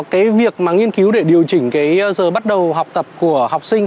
cái việc mà nghiên cứu để điều chỉnh cái giờ bắt đầu học tập của học sinh